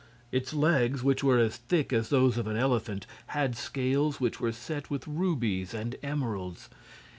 Its legs, which were as thick as those of an elephant, had scales which were set with rubies and emeralds.